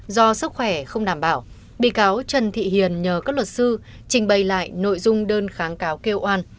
do sức khỏe không đảm bảo bị cáo trần thị hiền nhờ các luật sư trình bày lại nội dung đơn kháng cáo kêu oan